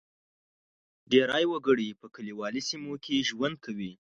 ډېری وګړي په کلیوالي سیمو کې ژوند کوي.